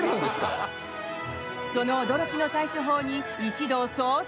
その驚きの対処法に一同騒然？